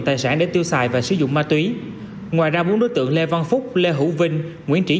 tài sản để tiêu xài và sử dụng ma túy ngoài ra bốn đối tượng lê văn phúc lê hữu vinh nguyễn trí